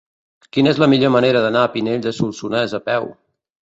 Quina és la millor manera d'anar a Pinell de Solsonès a peu?